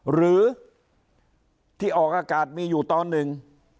หรือที่ออกอากาศมีอยู่ตอนหนึ่ง